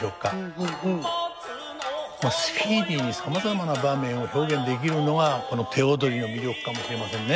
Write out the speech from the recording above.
スピーディーにさまざまな場面を表現できるのがこの手踊りの魅力かもしれませんね。